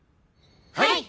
はい！